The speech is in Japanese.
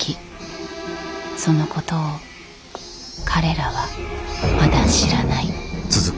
そのことを彼らはまだ知らない。